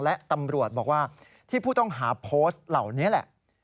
และตำรวจบอกว่าที่ผู้ต้องหาโพสต์เหล่านี้แหละ